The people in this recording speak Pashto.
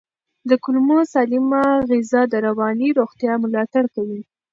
د کولمو سالمه غذا د رواني روغتیا ملاتړ کوي.